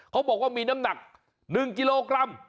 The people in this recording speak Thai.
เขาบอกว่ามีน้ำหนัก๑กิโลกรัม